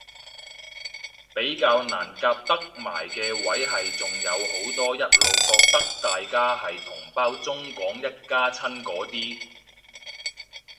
比較難夾得埋嘅位係仲有好多一路覺得大家係同胞中港一家親嗰啲